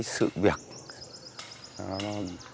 nó sẽ giúp đỡ các nhân dân